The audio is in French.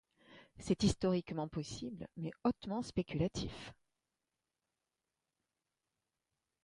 C’est historiquement possible mais hautement spéculatif.